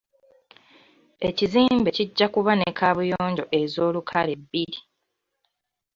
Ekizimbe kijja kuba ne kaabuyonjo ez'olukale bbiri.